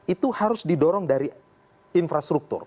itu harus didorong dari infrastruktur